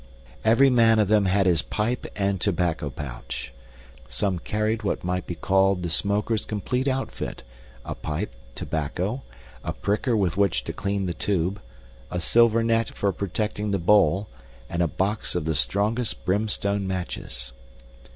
Every man of them had his pipe and tobacco pouch. Some carried what might be called the smoker's complete outfit a pipe, tobacco, a pricker with which to clean the tube, a silver net for protecting the bowl, and a box of the strongest brimstone matches.